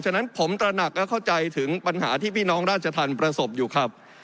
ฉะนั้นผมตระหนักและเข้าใจถึงปัญหาที่พี่น้องราชธรรมประสบอยู่ครับ